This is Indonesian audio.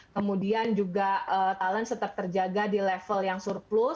kemudian juga talent tetap terjaga di level yang surplus